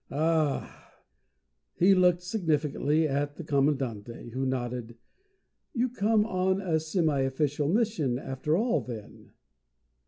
"Ah!" He looked significantly at the Commandante, who nodded. "You come on a semi official mission, after all, then?"